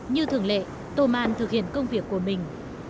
như thường lệ tô man thực hiện công việc của mình